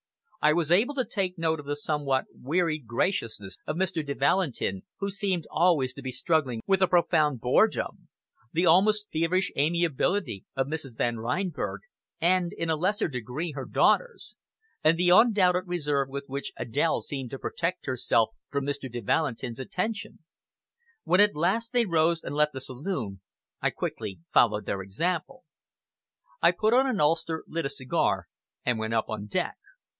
I was able to take note of the somewhat wearied graciousness of Mr. de Valentin, who seemed always to be struggling with a profound boredom; the almost feverish amiability of Mrs. Van Reinberg, and, in a lesser degree, her daughters; and the undoubted reserve with which Adèle seemed to protect herself from Mr. de Valentin's attentions. When at last they rose and left the saloon, I quickly followed their example. I put on an ulster, lit a cigar, and went up on deck.